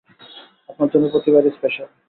আপনার জন্য প্রতিবারই স্পেশাল।